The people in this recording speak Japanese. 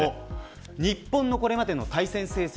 日本のこれまでの対戦成績